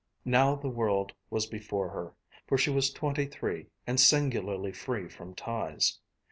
Now the world was before her, for she was twenty three and singularly free from ties.